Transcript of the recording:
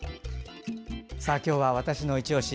今日は「＃わたしのいちオシ」